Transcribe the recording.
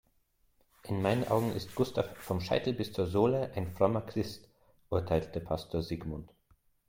In meinen Augen ist Gustav vom Scheitel bis zur Sohle ein frommer Christ, urteilte Pastor Sigmund.